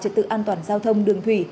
trật tự an toàn giao thông đường thủy